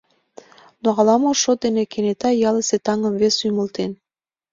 Но ала-мо шот дене кенета ялысе таҥым весе ӱмылтен.